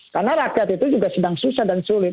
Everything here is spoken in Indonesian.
karena rakyat itu juga sedang susah dan sulit